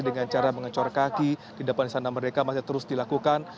dengan cara mengecor kaki di depan istana merdeka masih terus dilakukan